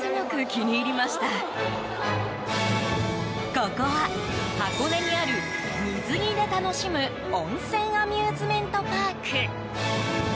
ここは、箱根にある水着で楽しむ温泉アミューズメントパーク。